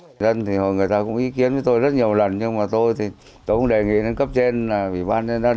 người dân thì hồi người ta cũng ý kiến với tôi rất nhiều lần nhưng mà tôi thì tôi cũng đề nghị cấp trên ủy ban nhân dân